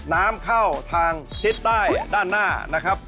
น้ำเข้าทางทิศใต้ด้านหน้านะครับ